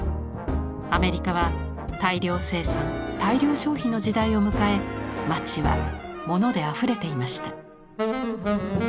アメリカは大量生産大量消費の時代を迎え街はモノであふれていました。